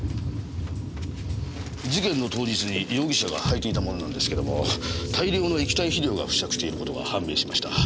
事件の当日に容疑者が履いていたものなんですけども大量の液体肥料が付着していることが判明しました。